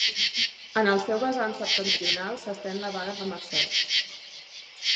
En el seu vessant septentrional s'estén la Baga del Marcet.